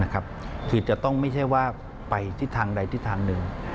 คือจะต้องไม่ใช่ว่าไปทิศทางใดทิศทางหนึ่ง